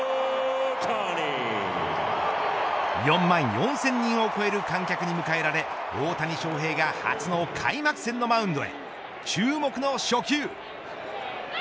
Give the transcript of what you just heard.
４万４０００人を超える観客に迎えられ大谷翔平が初の開幕戦のマウンドへ注目の初球。